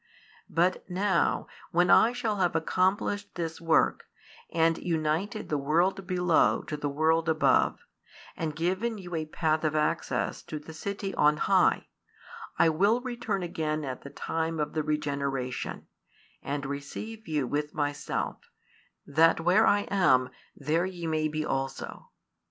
But now, when I shall have accomplished this work, and united the world below to the world above, and given you a path of access to the city on high, I will return again at the time of the regeneration, and receive you 5 with Myself; that where I am, there ye may be also."